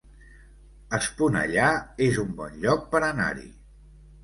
Esponellà es un bon lloc per anar-hi